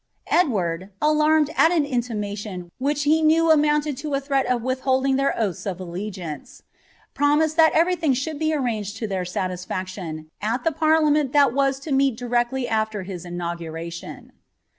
Edward, alarmed at an intimation which amounted to a threat of withholding their oaths of allegiance, that everything should be arranged to their satisfaction, at the It that was to meet directly afier his inauguration.